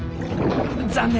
残念！